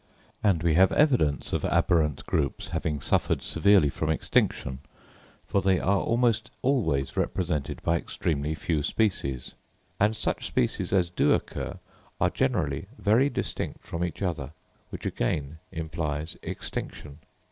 And we have evidence of aberrant groups having suffered severely from extinction, for they are almost always represented by extremely few species; and such species as do occur are generally very distinct from each other, which again implies extinction.